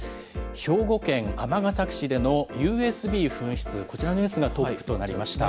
兵庫県尼崎市でのＵＳＢ紛失、こちらのニュースがトップとなりました。